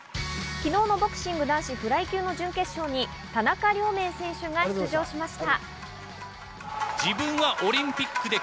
昨日のボクシング男子フライ級の準決勝に田中亮明選手が出場しました。